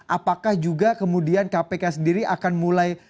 apakah juga kemudian kpk sendiri akan mulai